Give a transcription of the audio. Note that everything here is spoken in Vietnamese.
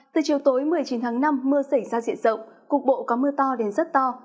từ chiều tối một mươi chín tháng năm mưa xảy ra diện rộng cục bộ có mưa to đến rất to